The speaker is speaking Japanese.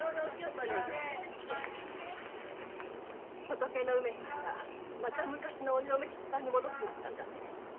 仏の梅さんがまた昔の鬼の梅吉さんに戻っちまったんだね。